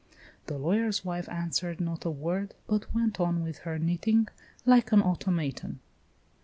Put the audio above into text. The lawyer's wife answered not a word, but went on with her knitting, like an automaton.